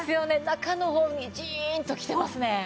中の方にジーンときてますね。